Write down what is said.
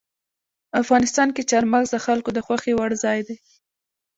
افغانستان کې چار مغز د خلکو د خوښې وړ ځای دی.